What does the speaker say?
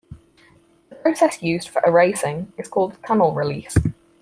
The process used for erasing is called tunnel release.